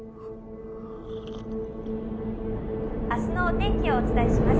明日のお天気をお伝えします